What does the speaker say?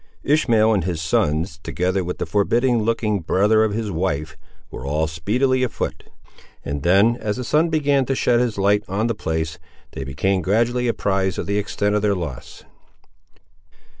Ishmael and his sons, together with the forbidding looking brother of his wife, were all speedily afoot; and then, as the sun began to shed his light on the place, they became gradually apprised of the extent of their loss.